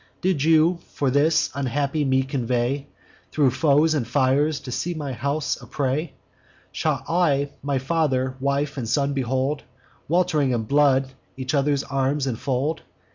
Did you, for this, unhappy me convey Thro' foes and fires, to see my house a prey? Shall I my father, wife, and son behold, Welt'ring in blood, each other's arms infold?